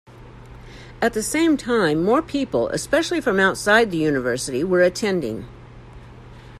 At the same time more people, especially from outside the university, were attending.